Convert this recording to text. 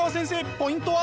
ポイントは？